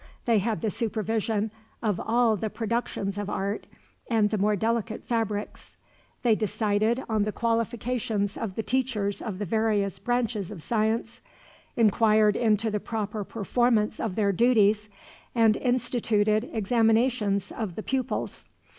They had the supervision of all the productions of art, and the more delicate fabrics. They decided on the qualifications of the teachers of the various branches of science, inquired into the proper performance of their duties, and instituted examinations of the pupils.